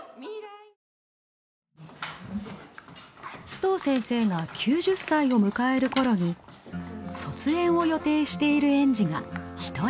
須藤先生が９０歳を迎えるころに卒園を予定している園児が一人。